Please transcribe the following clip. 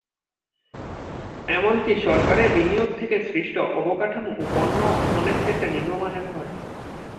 এমনকি সরকারি বিনিয়োগ থেকে সৃষ্ট অবকাঠামো ও পণ্যও অনেক ক্ষেত্রে নিম্নমানের হয়।